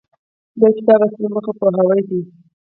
د کتاب اصلي موخه پوهاوی دی.